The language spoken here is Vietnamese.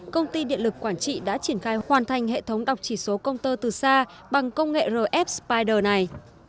công ty điện lực quảng trị đã triển khai hoàn thành hệ thống đọc chỉ số công tơ từ xa bằng công nghệ rf spider này